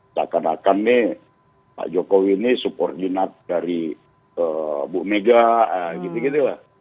seakan akan nih pak jokowi ini subordinat dari bu mega gitu gitu lah